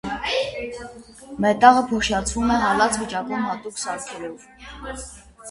Մետաղը փոշիացվում է հալած վիճակում՝ հատուկ սարքերով։